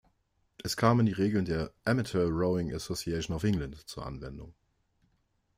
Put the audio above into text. Es kamen die Regeln der "Amateur Rowing Association of England" zur Anwendung.